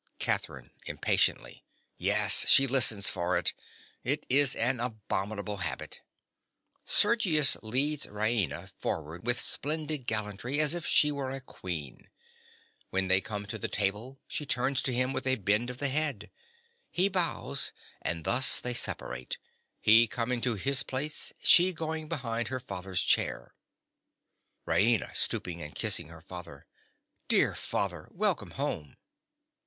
CATHERINE. (impatiently). Yes: she listens for it. It is an abominable habit. (_Sergius leads Raina forward with splendid gallantry, as if she were a queen. When they come to the table, she turns to him with a bend of the head; he bows; and thus they separate, he coming to his place, and she going behind her father's chair._) RAINA. (stooping and kissing her father). Dear father! Welcome home!